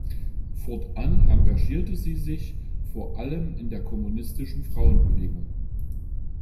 Fortan engagierte sie sich vor allem in der kommunistischen Frauenbewegung.